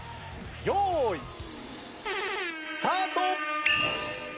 用意スタート！